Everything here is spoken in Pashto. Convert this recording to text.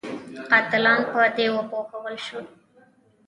قاتلان په دې وپوهول شي.